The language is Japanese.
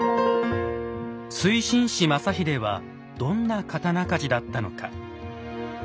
水心子正秀はどんな刀鍛冶だったのか。